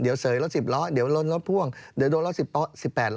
เดี๋ยวเสยรถ๑๐ล้อเดี๋ยวล้นรถพ่วงเดี๋ยวโดนรถ๑๘ล้อ